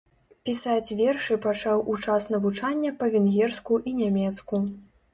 Пісаць вершы пачаў у час навучання па-венгерску і нямецку.